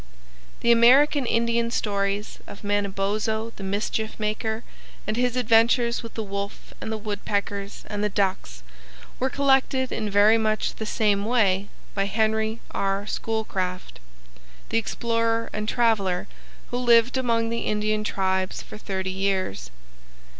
The American Indian stories of Manabozho the Mischief Maker and his adventures with the Wolf and the Woodpeckers and the Ducks were collected in very much the same way by Henry R. Schoolcraft (1793–1864), the explorer and traveler, who lived among the Indian tribes for thirty years.